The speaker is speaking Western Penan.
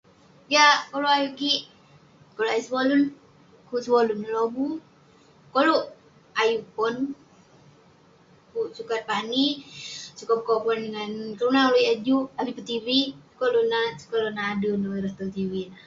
Yah koluk ayuk kik, koluk ayuk sevolun. Kuk sevolun anah lobuk. Koluk ayuk pon, kuk sukat pani, sukat pekopon ngan kelunan ulouk yah juk avik peh tv. Sukat ulouk nat- sukat ulouk nat ader nouk ireh tong tv ineh.